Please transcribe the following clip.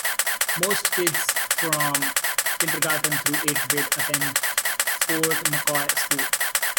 Most kids from kindergarten through eighth grade attend Fort McCoy School.